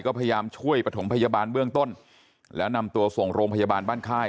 ก็พยายามช่วยประถมพยาบาลเบื้องต้นแล้วนำตัวส่งโรงพยาบาลบ้านค่าย